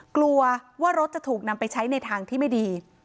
กลัวว่ารถจะถูกนำไปใช้ในทางที่ไม่ดี